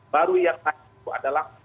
baru yang naik itu adalah